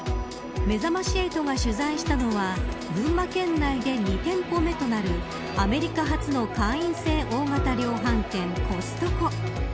めざまし８が取材したのは群馬県内で２店舗目となるアメリカ発の会員制大型量販店コストコ。